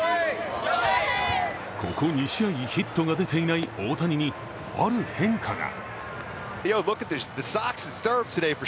ここ２試合、ヒットが出ていない大谷に、ある変化が。